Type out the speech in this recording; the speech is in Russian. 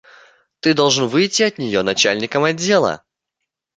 Ты должен выйти от нее начальником отдела.